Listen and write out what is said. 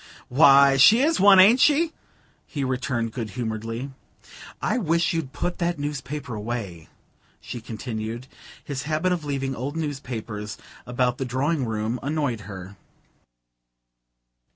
'" "Why, she is one, ain't she?" he returned good humouredly. "I wish you'd put that newspaper away," she continued; his habit of leaving old newspapers about the drawing room annoyed her.